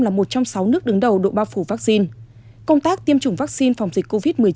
là một trong sáu nước đứng đầu độ bao phủ vaccine công tác tiêm chủng vaccine phòng dịch covid một mươi chín